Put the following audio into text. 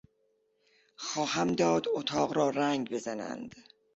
خواهم داد اتاق را رنگ بزنند.